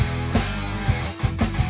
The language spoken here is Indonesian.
eh balikin balikin